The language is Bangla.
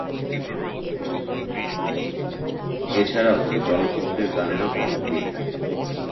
এছাড়াও, তিনি চলচ্চিত্রের গানেও কণ্ঠ দিয়ে থাকেন।